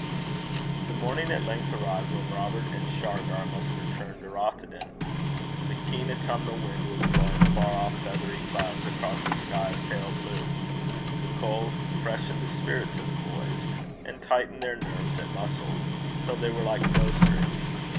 The morning at length arrived when Robert and Shargar must return to Rothieden. A keen autumnal wind was blowing far off feathery clouds across a sky of pale blue; the cold freshened the spirits of the boys, and tightened their nerves and muscles, till they were like bow strings.